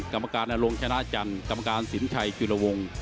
กรรมการนรงชนะจันทร์กรรมการสินชัยจุลวง